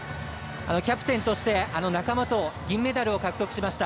キャプテンとして仲間と銀メダルを獲得しました。